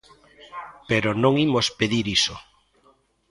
Pero non imos pedir iso.